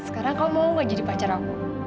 sekarang kamu mau gak jadi pacar aku